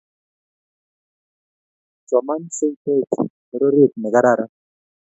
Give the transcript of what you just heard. Soman siteich bororet nekararan